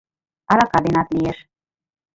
— Арака денат лиеш.